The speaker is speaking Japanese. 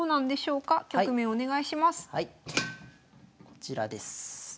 こちらです。